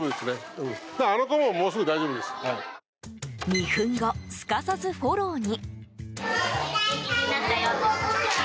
２分後、すかさずフォローに。